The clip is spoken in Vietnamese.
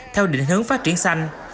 theo định hướng phát triển xanh